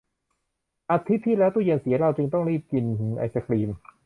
อาทิตย์ที่แล้วตู้เย็นเสีย เราจึงต้องรีบกินไอศกรีม